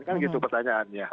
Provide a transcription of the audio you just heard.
kan gitu pertanyaannya